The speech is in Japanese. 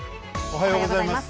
おはようございます。